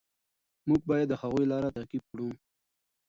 موږ باید د هغوی لاره تعقیب کړو.